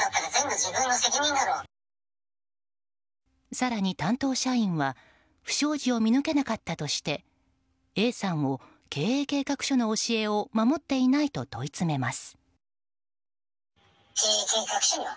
更に、担当社員は不祥事を見抜けなかったとしてＡさんを計画経営書の教えを守っていないと問い詰めます。